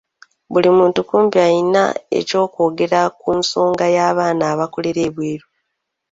Buli muntu kumpi alina eky'okwogera ku nsonga y'abaana abakolera ebweru.